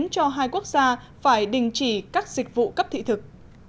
cho hai quốc gia phải đình chỉ các dịch vụ cấp thị thực